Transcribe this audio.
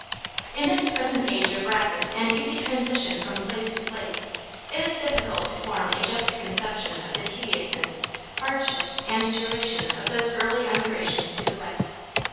In this present age of rapid and easy transition from place to place, it is difficult to form a just conception of the tediousness, hardships, and duration of those early emigrations to the West.